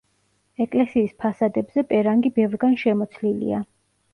ეკლესიის ფასადებზე პერანგი ბევრგან შემოცლილია.